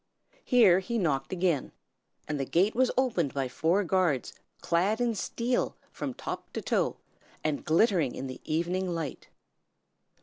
Here he knocked again, and the gate was opened by four guards clad in steel from top to toe, and glittering in the evening light.